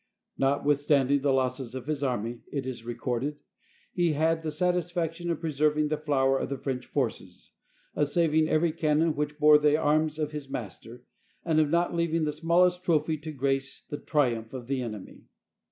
"Notwithstanding the losses of his army," it is recorded, 331 AUSTRIA HUNGARY "he had the satisfaction of preserving the flower of the French forces, of saving every cannon which bore the arms of his master, and of not leaving the smallest trophy to grace the triumph of the enemy."